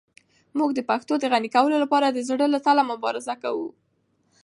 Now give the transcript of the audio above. موږ د پښتو د غني کولو لپاره د زړه له تله مبارزه کوو.